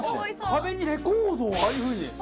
壁にレコードをああいう風に。